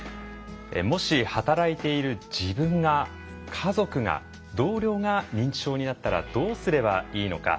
もし働いている自分が家族が同僚が認知症になったらどうすればいいのか。